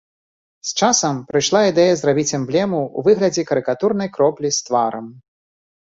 З часам прыйшла ідэя зрабіць эмблему ў выглядзе карыкатурнай кроплі з тварам.